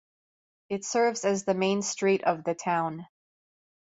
It serves as the Main Street of the town.